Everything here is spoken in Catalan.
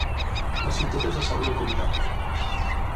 La ciutat és la seu del comptat.